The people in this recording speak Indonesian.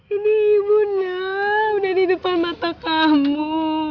ini ibu nak udah di depan mata kamu